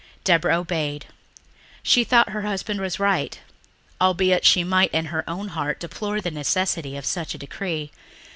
Deborah obeyed. She thought her husband was right, albeit she might in her own heart deplore the necessity of such a decree.